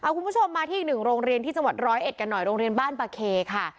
คุณผู้ชมมาที่อีกหนึ่งโรงเรียนที่จังหวัดร้อยเอ็ดกันหน่อยโรงเรียนบ้านบาเคค่ะ